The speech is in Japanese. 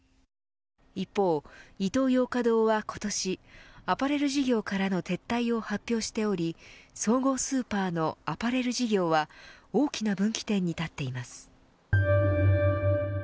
一方、イトーヨーカドーは今年アパレル事業からの撤退を発表しており総合スーパーのアパレル事業は大きな分岐点に立っています。